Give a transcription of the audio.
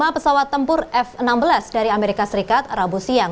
lima pesawat tempur f enam belas dari amerika serikat rabu siang